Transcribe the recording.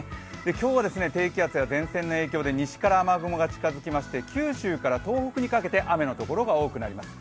今日は低気圧や前線の影響で西から雨雲が近づきまして九州から東北にかけて雨のところが多くなります。